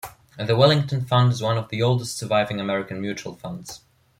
The Wellington Fund is one of the oldest surviving American mutual funds.